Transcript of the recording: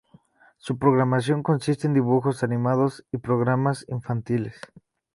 Su programación consiste en dibujos animados y programas infantiles.